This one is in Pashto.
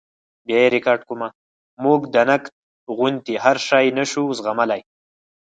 موږ د نقد غوندې هر شی نشو زغملی.